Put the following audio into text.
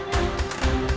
saya gak tanya